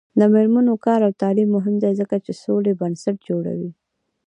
د میرمنو کار او تعلیم مهم دی ځکه چې سولې بنسټ جوړوي.